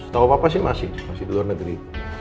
tahu apa apa sih masih masih di luar negeri